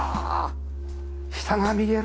下が見える！